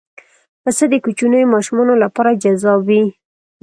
پسه د کوچنیو ماشومانو لپاره جذاب وي.